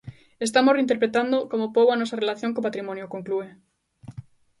Estamos reinterpretando como pobo a nosa relación co patrimonio, conclúe.